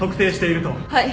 はい。